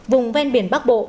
vùng ven biển bắc bộ